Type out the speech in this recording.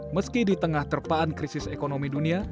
meski di tengah terpaan krisis ekonomi dunia